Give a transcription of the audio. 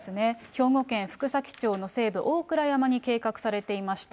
兵庫県福崎町の西部、大倉山に計画されていました。